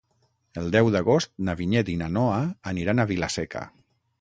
El deu d'agost na Vinyet i na Noa aniran a Vila-seca.